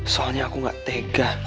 soalnya aku gak tega